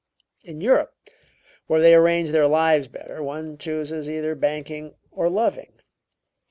In Europe, where they arrange their lives better, one chooses either banking or 'loving'."